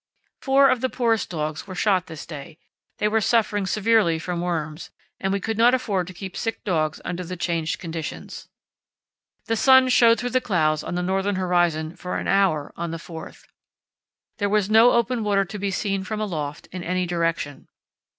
Four of the poorest dogs were shot this day. They were suffering severely from worms, and we could not afford to keep sick dogs under the changed conditions. The sun showed through the clouds on the northern horizon for an hour on the 4th. There was no open water to be seen from aloft in any direction.